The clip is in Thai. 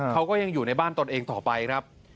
เขาก็ยังอยู่ในบ้านตนเองต่อไปครับ